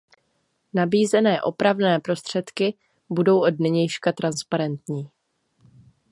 Nabízené opravné prostředky budou od nynějška transparentní.